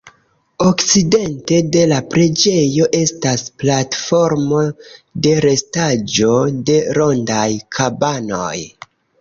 Okcidente de la preĝejo estas platformo de restaĵo de rondaj kabanoj.